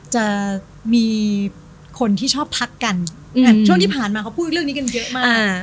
จะมีคนที่ชอบทักกันช่วงที่ผ่านมาเขาพูดเรื่องนี้กันเยอะมาก